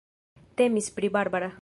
Temis pri Barbara.